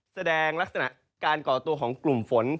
แสดงลักษณะการก่อตัวของกลุ่มฝน